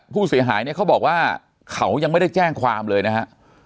ผู้เสียหายเนี่ยเขาบอกว่าเขายังไม่ได้แจ้งความเลยนะฮะ